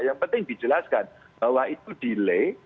yang penting dijelaskan bahwa itu delay